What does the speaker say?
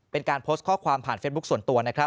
เป็นการโพสต์ข้อความผ่านเฟซบุ๊คส่วนตัวนะครับ